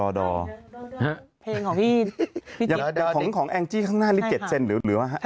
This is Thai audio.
ดอดอเพลงของพี่ของของข้างหน้านี่เจ็ดเซ็นหรือหรือว่า